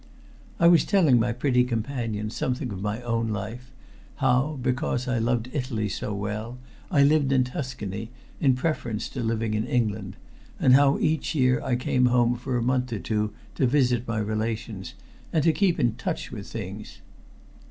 I was telling my pretty companion something of my own life, how, because I loved Italy so well, I lived in Tuscany in preference to living in England, and how each year I came home for a month or two to visit my relations and to keep in touch with things.